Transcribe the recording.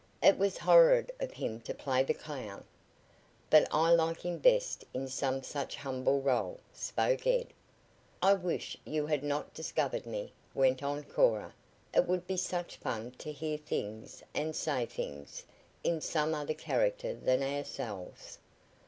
"It was horrid of him to play the clown." "But I like him best in some such humble role," spoke Ed. "I wish you had not discovered me," went on Cora. "It would be such fun to hear things, and say things, in some other character than ourselves."